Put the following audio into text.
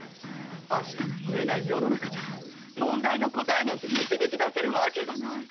明日も見えない世の中じゃ問題の答えなんて導き出せるわけがない。